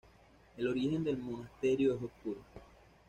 El origen del monasterio es oscuro.